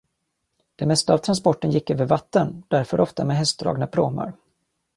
Det mesta av transporten gick över vatten, därför ofta med hästdragna pråmar.